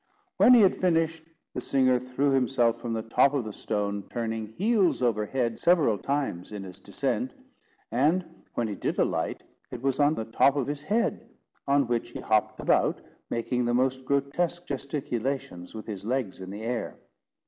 When he had finished, the singer threw himself from the top of the stone, turning heels over head several times in his descent; and when he did alight, it was on the top of his head, on which he hopped about, making the most grotesque gesticulations with his legs in the air.